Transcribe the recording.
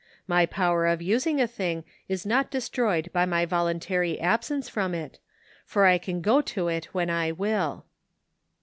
My power of using a thing is not destroyed by my voluntary absence from it, for I can go to it when I will.